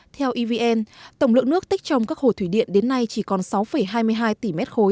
theo evn tổng lượng nước tích trong các hồ thủy điện đến nay chỉ còn sáu hai mươi hai tỷ m ba